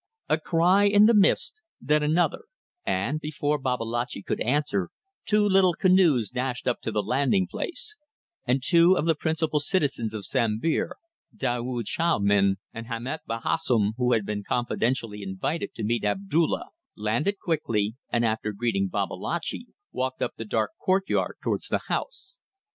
A cry in the mist then another and, before Babalatchi could answer, two little canoes dashed up to the landing place, and two of the principal citizens of Sambir, Daoud Sahamin and Hamet Bahassoen, who had been confidentially invited to meet Abdulla, landed quickly and after greeting Babalatchi walked up the dark courtyard towards the house.